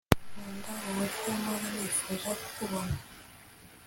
nkunda uburyo mpora nifuza kukubona